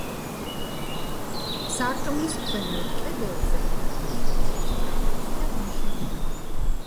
სარკმლის ქვემოთ კედელზე, ქვითკირის ტრაპეზია მიშენებული.